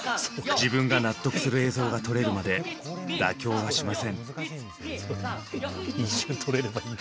自分が納得する映像が撮れるまで妥協はしません。